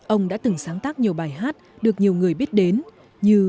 ông đã từng sáng tác nhiều bài hát được nhiều người biết đến như